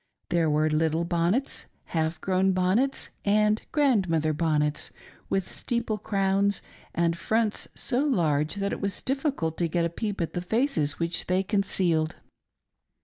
There were little bbnnets, half grown bonnets, and "grandmother bonnets " with steeple crowns and fronts so large that it was difficult to get a peep at the faces which they concealed.